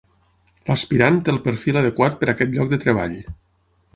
L'aspirant té el perfil adequat per a aquest lloc de treball.